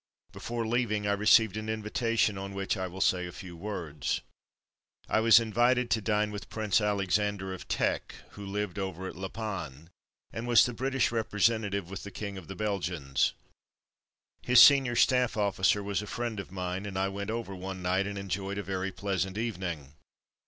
Before leaving I received an invita tion on which I will say a few words. I was invited to dine with Prince Alexander of Teck who lived over at La Panne, and was 184 A memory of the Yser. An Invitation to Dinner 185 the British representative with the King of the Belgians. His senior staff officer was a friend of mine, and I went over one night and enjoyed a very pleasant evening.